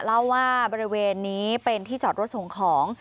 เล่าว่าบริเวณนี้เป็นที่จอดรถส่งของ